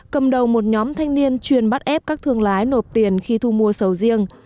cầm đầu một nhóm thanh niên chuyên bắt ép các thương lái nộp tiền khi thu mua sầu riêng